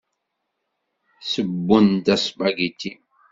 Ssewwen-d aspagiti.